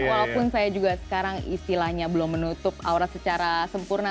walaupun saya juga sekarang istilahnya belum menutup aura secara sempurna